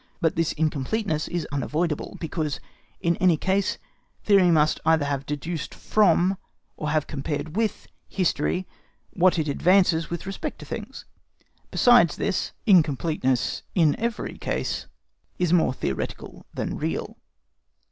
But this incompleteness is unavoidable, because in any case theory must either have deduced from, or have compared with, history what it advances with respect to things. Besides, this incompleteness in every case is more theoretical than real.